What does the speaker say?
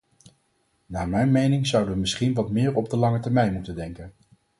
Naar mijn mening zouden we misschien wat meer op de lange termijn moeten denken.